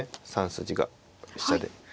３筋が飛車で。